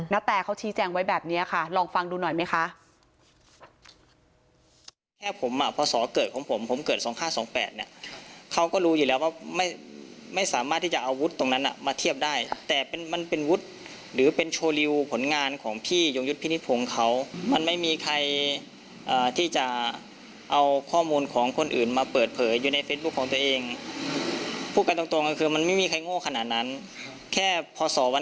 ๑๒๓๔ณแต่เค้าชี้แจ้งไว้แบบนี้ค่ะลองฟังดูหน่อยมั้ยคะ